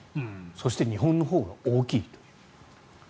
そして日本のほうが大きいという。